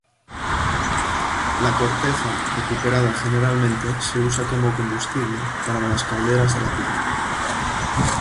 La corteza recuperada generalmente se usa como combustible para las calderas de la planta.